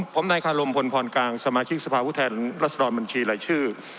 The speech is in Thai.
ผมนายคารมพลพรกลางสมาชิกสภาพุทธแทนรัศดรบัญชีรายชื่อ